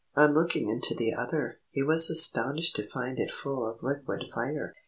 On looking into the other, he was astonished to find it full of liquid fire.